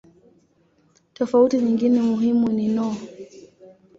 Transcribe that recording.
Tofauti nyingine muhimu ni no.